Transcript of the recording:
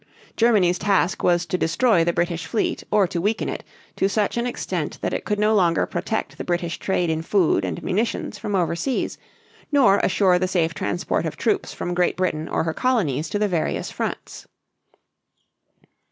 Germany's task was to destroy the British fleet or to weaken it to such an extent that it could no longer protect the British trade in food and munitions from over seas, nor assure the safe transport of troops from Great Britain or her colonies to the various fronts.